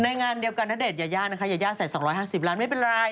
งานเดียวกันณเดชนยายานะคะยายาใส่๒๕๐ล้านไม่เป็นไร